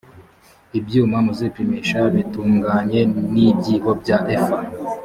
ibyuma muzipimisha bitunganye n ibyibo bya efa